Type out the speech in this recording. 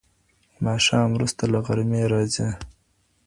ماښام وروسته له غرمې راځي.